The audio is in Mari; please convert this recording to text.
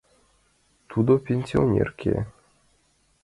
Тудо пенсионерке.